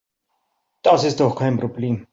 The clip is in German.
Das ist doch kein Problem.